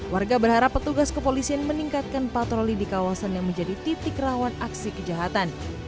warga berharap petugas kepolisian meningkatkan patroli di kawasan yang menjadi titik rawan aksi kejahatan